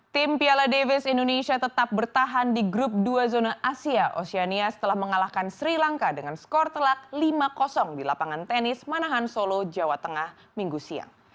tim piala davis indonesia tetap bertahan di grup dua zona asia oceania setelah mengalahkan sri lanka dengan skor telak lima di lapangan tenis manahan solo jawa tengah minggu siang